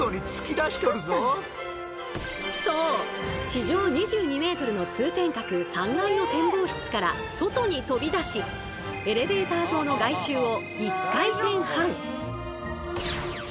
地上２２ｍの通天閣３階の展望室から外に飛び出しエレベーター塔の外周を１回転半。